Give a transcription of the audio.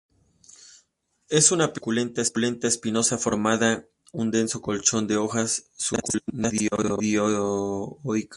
Es una planta suculenta espinosa, formando un denso colchón de hojas suculentas, dioica;.